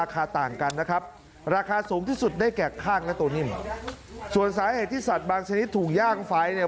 ข้างนะตัวนิ่มส่วนสาเหตุที่สัตว์บางชนิดถูกย่างไฟเนี่ย